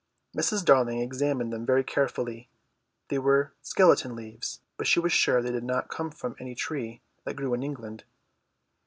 Mrs. Darling examined them very carefully; they were skeleton leaves, but she was sure they did not come from any tree that grew in England.